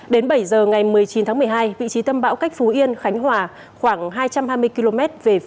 đến bảy giờ ngày một mươi chín tháng một mươi hai vị trí tâm bão cách phú yên khánh hòa khoảng hai trăm hai mươi km về phía